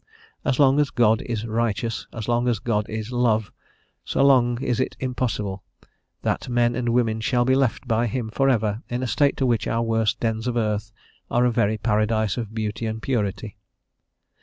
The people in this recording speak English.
As long as God is righteous, as long as God is love, so long is it impossible that men and women shall be left by him forever in a state to which our worst dens of earth are a very paradise of beauty and purity.